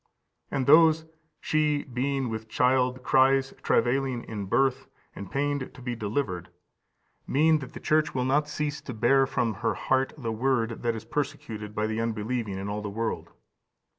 And those, "she, being with child, cries, travailing in birth, and pained to be delivered," mean that the Church will not cease to bear from her heart15361536 γεννῶσα ἐκ καρδίας. the Word that is persecuted by the unbelieving in the world.